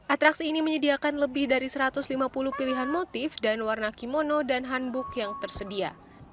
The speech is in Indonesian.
atraksi ini menyediakan lebih dari satu ratus lima puluh pilihan motif dan warna kimono dan hanbook yang tersedia